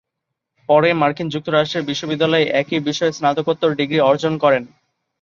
পরে মার্কিন যুক্তরাষ্ট্রের বিশ্ববিদ্যালয়ে একই বিষয়ে স্নাতকোত্তর ডিগ্রি অর্জন করেন।